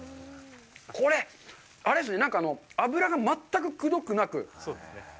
これ、あれですね、脂が全くくどくなく。